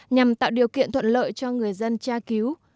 nhằm tạo điều kiện thuận lợi cho người dân tra cứu